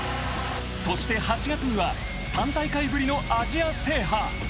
［そして８月には３大会ぶりのアジア制覇］